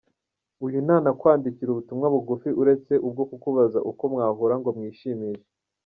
Uyu ntanakwandikira ubutumwa bugufi uretse ubwo kukubaza uko mwahura ngo mwishimishe.